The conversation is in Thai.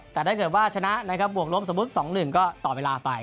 แต่ถ้าเกิดว่าชนะบวกรวมสมมุติ๒๑ก็ต่อเวลาไป